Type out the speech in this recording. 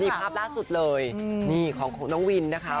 นี่ภาพล่าสุดเลยนี่ของน้องวินนะคะ